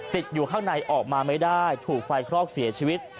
ติดอยู่ข้างในออกมาไม่ได้ถูกไฟคลอกเสียชีวิต